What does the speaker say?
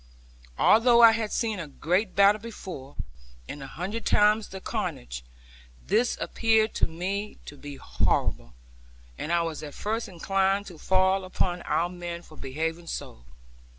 Although I had seen a great battle before, and a hundred times the carnage, this appeared to me to be horrible; and I was at first inclined to fall upon our men for behaving so.